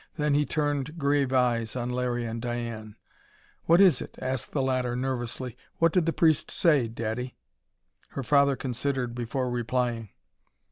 Then he turned grave eyes on Larry and Diane. "What is it?" asked the latter, nervously. "What did the priest say, daddy?" Her father considered, before replying.